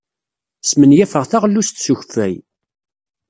Smenyafeɣ taɣlust s ukeffay.